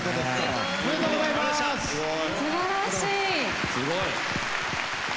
すごい。